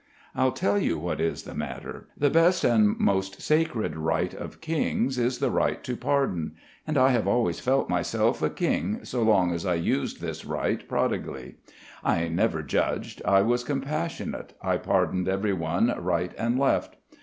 "I'll tell you what is the matter. The best and most sacred right of kings is the right to pardon. And I have always felt myself a king so long as I used this right prodigally. I never judged, I was compassionate, I pardoned everyone right and left.